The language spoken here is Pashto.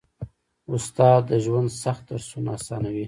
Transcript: استاد د ژوند سخت درسونه اسانوي.